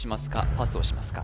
パスをしますか？